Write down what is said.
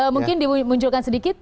mungkin dimunculkan sedikit